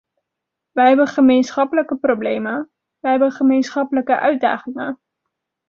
Wij hebben gemeenschappelijke problemen, wij hebben gemeenschappelijke uitdagingen.